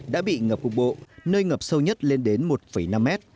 đã bị ngập cục bộ nơi ngập sâu nhất lên đến một năm mét